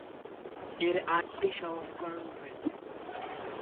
এর আটটি সংস্করণ রয়েছে।